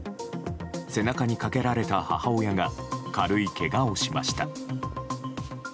背中にかけられた母親が軽いけがをしました。